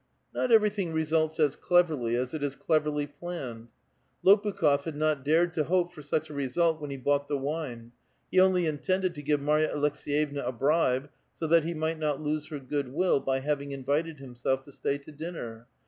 Not everything results as cleverly as it is cleverly planned. Lopukh6f had not dared to hope for such a result when he bought the wine ; he only intended to give Marva Aleks^ yevna a bribe, so that he might not lose her good \Nill by having invited himself to stay to dinner.